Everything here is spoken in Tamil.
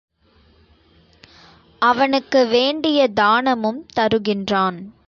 அவனுக்கு வேண்டிய தானமும் தருகின்றான்.